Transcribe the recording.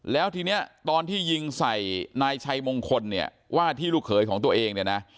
แล้วทีนี้ตอนที่ยิงใส่นายชัยมงคลว่าที่ลูกเขยของตัวเอง